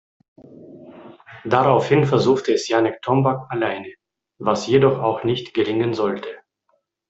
Daraufhin versuchte es Janek Tombak alleine, was jedoch auch nicht gelingen sollte.